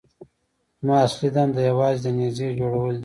زما اصلي دنده یوازې د نيزې جوړول دي.